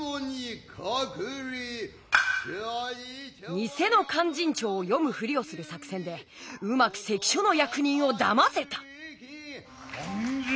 ニセの「勧進帳」を読むふりをする作戦でうまく関所の役人をだませた。